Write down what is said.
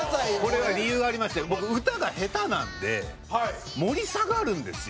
これは理由ありまして僕歌が下手なんで盛り下がるんですよ。